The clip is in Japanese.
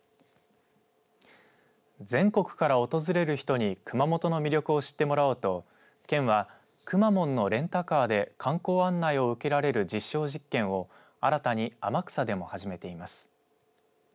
全国から訪れる人に熊本の魅力を知ってもらおうと県はくまモンのレンタカーで観光案内を受けられる実証実験を新たに天草でも始めています。